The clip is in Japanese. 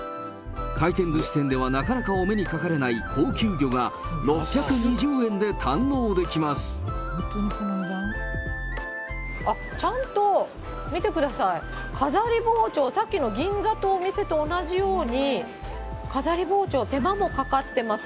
回転ずし店ではなかなかお目にかかれない高級魚が６２０円で堪能あっ、ちゃんと見てください、飾り包丁、さっきの銀座のお店と同じように、飾り包丁、手間もかかってます。